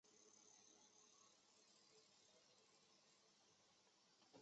终仕江西左布政使。